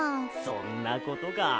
そんなことか。